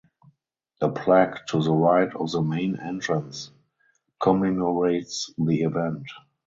A plaque to the right of the main entrance commemorates the event.